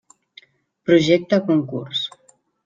Projecte concurs.